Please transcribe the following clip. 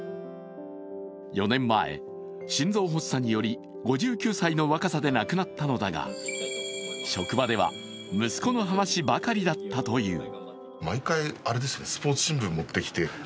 ４年前、心臓発作により５９歳の若さで亡くなったのだが、職場では息子の話ばかりだったという。